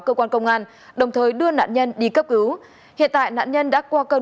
cơ quan công an đồng thời đưa nạn nhân đi cấp cứu hiện tại nạn nhân đã qua cơn